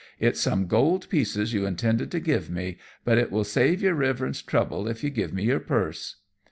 It's some gold pieces you intended to give me; but it will save your Riverence trouble if you give me your purse."